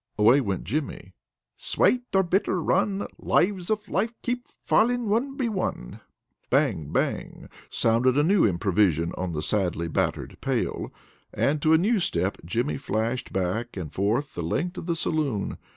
Away went Jimmy. "Swate or bitter run, Laves of life kape falling one by one." Bang! Bang! sounded a new improvision on the sadly battered pail, and to a new step Jimmy flashed back and forth the length of the saloon.